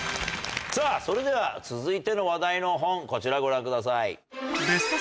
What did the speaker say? さぁそれでは続いての話題の本こちらご覧ください。